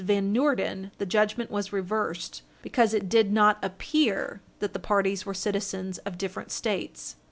Van Noorden, the judgment was reversed, because it did not appear that the parties were citizens of different States.